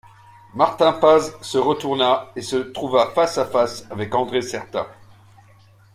Martin Paz se retourna et se trouva face à face avec André Certa.